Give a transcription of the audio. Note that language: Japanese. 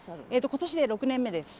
今年で６年目です。